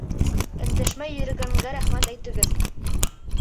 Өндәшмәй йөрөгәнгә рәхмәт әйтегеҙ.